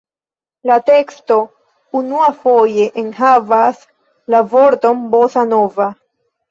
La teksto unuafoje enhavas la vorton „bossa-nova“.